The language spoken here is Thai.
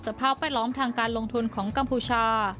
ภาพแวดล้อมทางการลงทุนของกัมพูชา